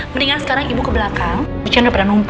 mendingan sekarang ibu ke belakang